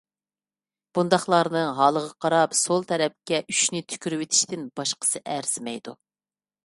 بۇنداقلارنىڭ ھالىغا قاراپ سول تەرەپكە ئۈچنى تۈكۈرۈۋېتىشتىن باشقىسى ئەرزىمەيدۇ.